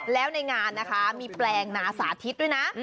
แล้วในงานนะคะมีแปลงนาสาธิตด้วยนะ